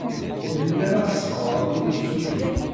Melmi ara as-teɣred i yimsujji?